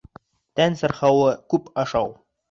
Тән сырхауы күп ашау.